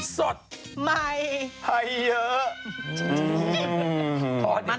สวัสดีครับ